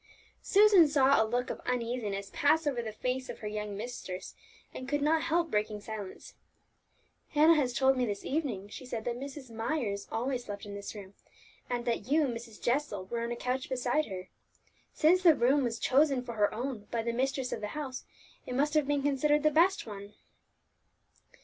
Susan saw a look of uneasiness pass over the face of her young mistress, and could not help breaking silence. "Hannah has told me this evening," she said, "that Mrs. Myers always slept in this room, and that you, Mrs. Jessel, were on a couch beside her. Since the room was chosen for her own by the mistress of the house, it must have been considered the best one."